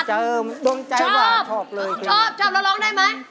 ชอบชอบแล้วร้องได้ไหม